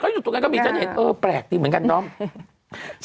ก็หยุดตรงไหนก็มีฉันเห็นเออแปลกดีเหมือนกันน้อง